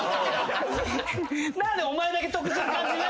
何でお前だけ得する感じ。